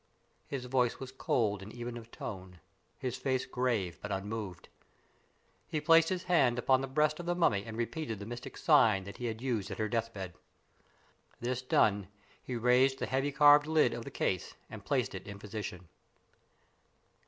His voice was cold and even of tone; his face grave, but unmoved. He placed his hand upon the breast of the mummy and repeated the mystic sign he had used at her death bed. This done, he raised the heavy carved lid of the case and placed it in position.